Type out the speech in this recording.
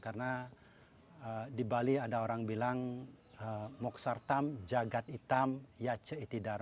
karena di bali ada orang bilang moksartam jagad itam yace itidak